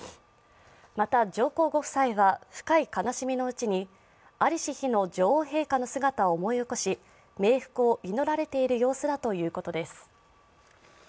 また上皇ご夫妻は深い悲しみのうちに在りし日の女王陛下の姿を思い起こし冥福を祈られている様子だということです。